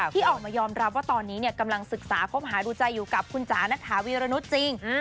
ที่ออกมายอมรับว่าตอนนี้กำลังศึกษาคบหาดูใจอยู่กับคุณจ๋าณฐาวีรนุษย์จริง